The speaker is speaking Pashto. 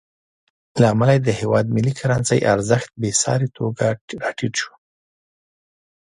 له امله یې د هېواد ملي کرنسۍ ارزښت بېساري توګه راټیټ شو.